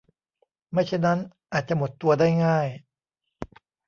ไม่เช่นนั้นอาจจะหมดตัวได้ง่าย